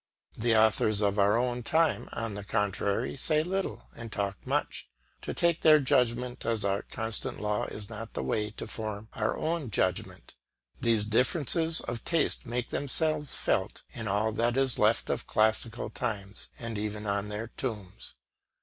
The authors of our own time, on the contrary, say little and talk much. To take their judgment as our constant law is not the way to form our own judgment. These differences of taste make themselves felt in all that is left of classical times and even on their tombs.